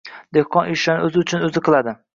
dehqon ishlarni o‘zi uchun o‘zi qiladi.